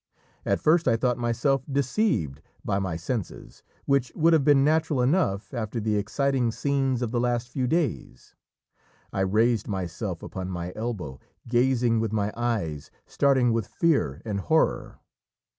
At first I thought myself deceived by my senses, which would have been natural enough after the exciting scenes of the last few days; I raised myself upon my elbow, gazing with my eyes starting with fear and horror.